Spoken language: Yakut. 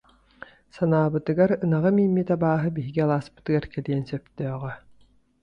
Санаабытыгар ынаҕы мииммит абааһы биһиги алааспытыгар кэлиэн сөптөөҕө